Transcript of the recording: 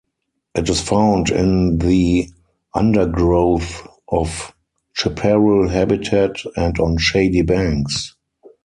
It is found in the undergrowth of chaparral habitat and on shady banks.